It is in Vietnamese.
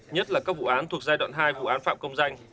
nhất là các vụ án thuộc giai đoạn hai vụ án phạm công danh